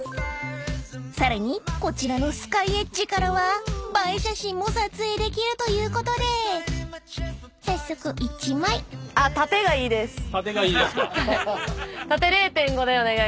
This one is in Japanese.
［さらにこちらのＳＫＹＥＤＧＥからは映え写真も撮影できるということで早速１枚］縦がいいですか。